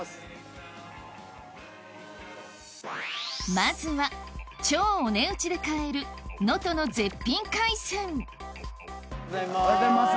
まずは超お値打ちで買える能登の絶品海鮮おはようございます。